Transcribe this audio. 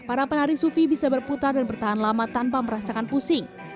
para penari sufi bisa berputar dan bertahan lama tanpa merasakan pusing